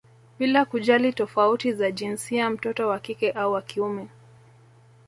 Bila kujali tofauti za jinsia mtoto wa kike au wa kiume